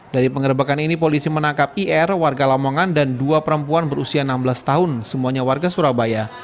dari pengerebekan ini polisi menangkap ir warga lamongan dan dua perempuan berusia enam belas tahun semuanya warga surabaya